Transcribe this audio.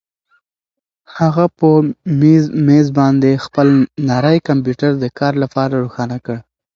هغه په مېز باندې خپل نری کمپیوټر د کار لپاره روښانه کړ.